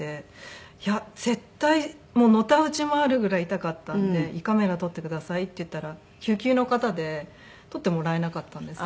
いや絶対のたうち回るぐらい痛かったんで胃カメラ撮ってくださいって言ったら救急の方で撮ってもらえなかったんですね。